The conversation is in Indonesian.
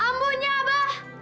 abah ada ambu